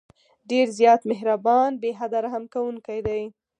ډېر زیات مهربان، بې حده رحم كوونكى دى.